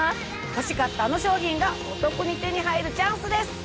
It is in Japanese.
欲しかったあの商品がお得に手に入るチャンスです！